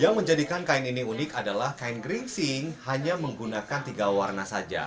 yang menjadikan kain ini unik adalah kain geringsing hanya menggunakan tiga warna saja